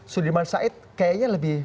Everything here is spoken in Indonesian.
sudirman said kayaknya lebih